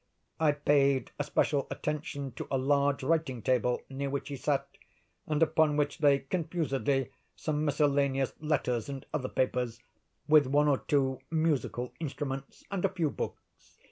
"I paid especial attention to a large writing table near which he sat, and upon which lay confusedly, some miscellaneous letters and other papers, with one or two musical instruments and a few books.